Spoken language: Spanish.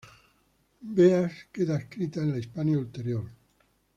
Beas queda adscrita en la Hispania Ulterior.